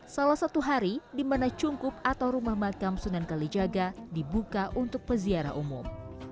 salah satu hari di mana cungkup atau rumah makam sunan kalijaga dibuka untuk peziarah umum